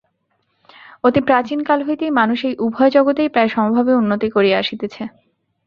অতি প্রাচীনকাল হইতেই মানুষ এই উভয় জগতেই প্রায় সমভাবে উন্নতি করিয়া আসিতেছে।